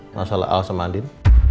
masalah elsa sama adin